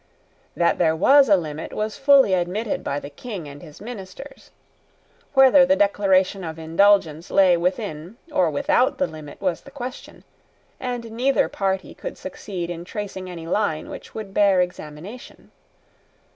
That there was a limit was fully admitted by the King and his ministers. Whether the Declaration of Indulgence lay within or without the limit was the question; and neither party could succeed in tracing any line which would bear examination.